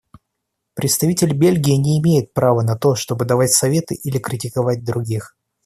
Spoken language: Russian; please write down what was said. Представитель Бельгии не имеет права на то, чтобы давать советы или критиковать других.